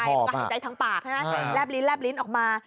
มันก็หายใจทั้งปากแลบลิ้นออกมา